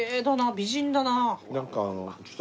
美人だなあ。